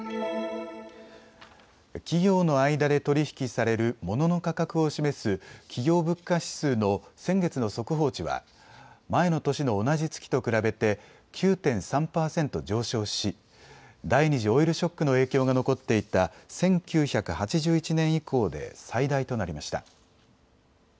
企業の間で取り引きされるモノの価格を示す企業物価指数の先月の速報値は前の年の同じ月と比べて９．３％上昇し、第２次オイルショックの影響が残っていた１９８１年以降で最大となりました。